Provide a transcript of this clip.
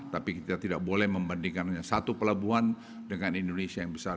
tapi kita tidak boleh membandingkan satu pelabuhan dengan indonesia yang besar